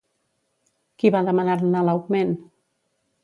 Qui va demanar-ne l'augment?